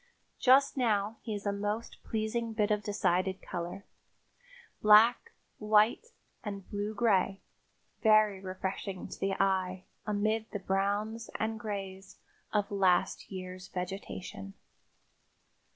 Just now he is a most pleasing bit of decided color, black, white and blue gray, very refreshing to the eye, amid the browns and grays of last year's vegetation.